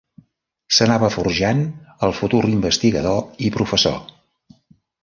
S'anava forjant el futur investigador i professor.